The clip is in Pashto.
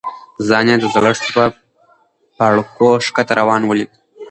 ځان یې د زړښت په پاړکو ښکته روان ولید.